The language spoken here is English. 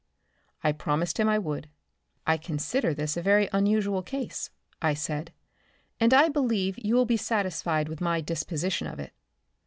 I promised him I would. "I consider this a very unusual case," I said, "and I believe you will be satisfied with my disposition of it."